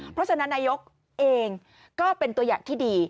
เพราะฉะนั้นนายกเองก็เป็นตัวอย่างที่ดี